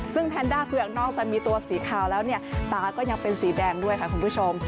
ซึ่งแพนด้าเผือกนอกจากมีตัวสีขาวแล้วเนี่ยตาก็ยังเป็นสีแดงด้วยค่ะคุณผู้ชม